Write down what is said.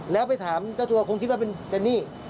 แล้วไปถามเจ้าตัวคงคิดว่าเป็นเจนนี่